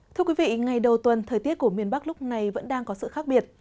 thưa quý vị ngày đầu tuần thời tiết của miền bắc lúc này vẫn đang có sự khác biệt